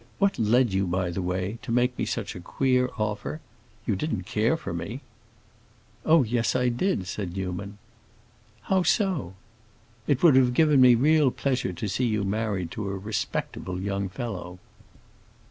What led you, by the way, to make me such a queer offer? You didn't care for me." "Oh yes, I did," said Newman. "How so?" "It would have given me real pleasure to see you married to a respectable young fellow."